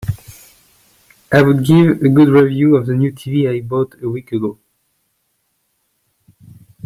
I would give a good review of the new TV I bought a week ago.